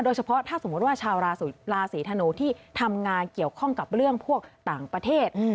เฉพาะถ้าสมมุติว่าชาวราศีธนูที่ทำงานเกี่ยวข้องกับเรื่องพวกต่างประเทศ